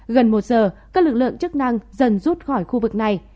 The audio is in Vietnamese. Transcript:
gần một giờ các lực lượng chức năng dần rút khỏi khu vực này